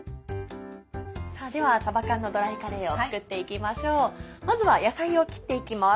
さぁでは「さば缶のドライカレー」を作っていきましょうまずは野菜を切っていきます。